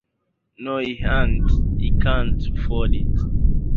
No, he ain't; he can't 'ford it.